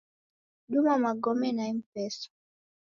Duma magome na Mpesa.